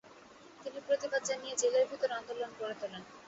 তিনি প্রতিবাদ জানিয়ে জেলের ভিতর আন্দোলন গড়ে তােলেন।